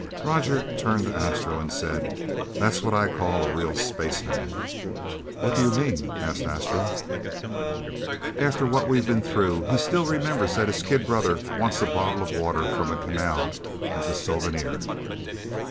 Roger turned to Astro and said, "That's what I call a real spaceman." "What do you mean?" asked Astro. "After what we've been through, he still remembers that his kid brother wants a bottle of water from a canal as a souvenir!"